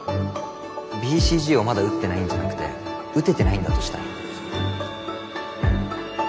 ＢＣＧをまだ打ってないんじゃなくて打ててないんだとしたら。